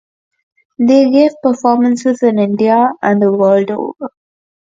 They give performances in India and the world over.